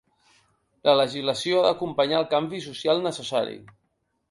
La legislació ha d’acompanyar el canvi social necessari.